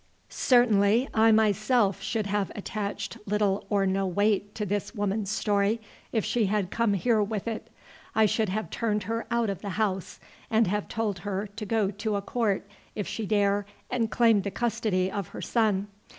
"Certainly, I myself should have attached little or no weight to this woman's story if she had come here with it. I should have turned her out of the house, and have told her to go to a court if she dare and claim the custody of her son.